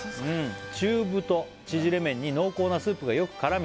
「中太縮れ麺に濃厚なスープがよく絡み」